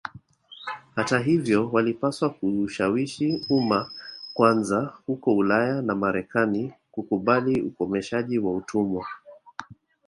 Hata hivyo walipaswa kuushawishi umma kwanza huko Ulaya na Marekani kukubali ukomeshaji wa utumwa